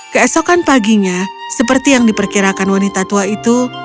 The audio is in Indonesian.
keesokan paginya seperti yang diperkirakan wanita tua itu